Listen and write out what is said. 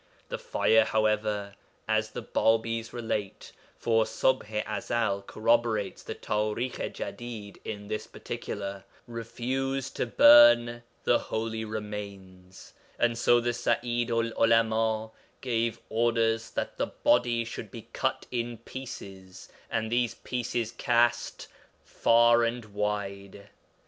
The fire, however, as the Bābīs relate (for Ṣubḥ i Ezel corroborates the Parikh i Jadid in this particular), refused to burn the holy remains; and so the Sa'idu'l 'Ulama gave orders that the body should be cut in pieces, and these pieces cast far and wide.